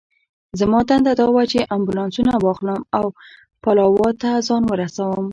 زما دنده دا وه چې امبولانسونه واخلم او پلاوا ته ځان ورسوم.